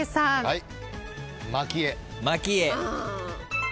はい。